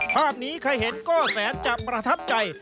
ภาพนี้ใครเห็นก็แสนจะประทับใจ